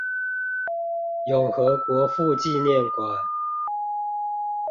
永和國父紀念館